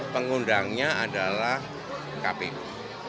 pengundangnya adalah kpu